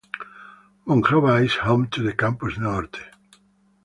Monclova is home to the Campus Norte.